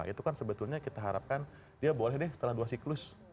itu kan sebetulnya kita harapkan dia boleh deh setelah dua siklus